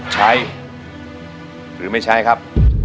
ใช้หรือไม่ใช้ครับ